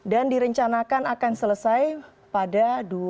dan direncanakan akan selesai pada dua ribu enam belas